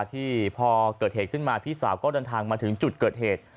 ที่พอเกิดเหตุขึ้นมาพี่สาวก็เดินทางมาถึงจุดเกิดเหตุ